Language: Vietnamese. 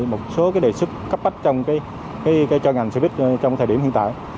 một số cái đề sức cấp bách trong cái cho ngành xe buýt trong thời điểm hiện tại